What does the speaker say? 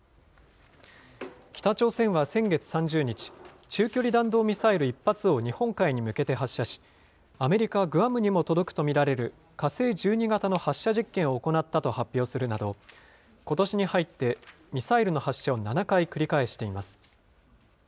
北朝鮮は先月３０日、中距離弾道ミサイル１発を日本海に向けて発射し、アメリカ・グアムにも届くと見られる火星１２型の発射実験を行ったと発表するなど、ことしに入ってミサイルの発射を７回繰り返しています。